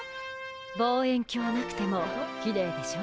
望遠鏡なくてもきれいでしょ？